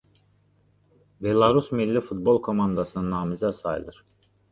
Belarus milli futbol komandasına namizəd sayılır.